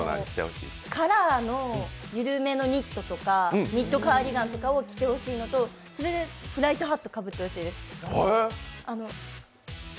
カラーの緩めのニットとか、ニットカーディガンとかを着てほしいのと、それでフライトハットかぶってほしいです。